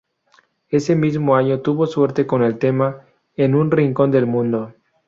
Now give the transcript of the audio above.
Ese mismo año tuvo suerte con el tema "En un rincón del mundo".